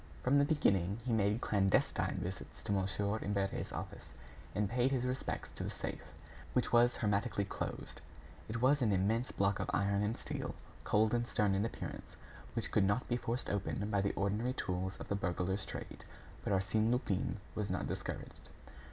From the beginning, he made clandestine visits to Mon. Imbert's office, and paid his respects to the safe, which was hermetically closed. It was an immense block of iron and steel, cold and stern in appearance, which could not be forced open by the ordinary tools of the burglar's trade. But Arsène Lupin was not discouraged.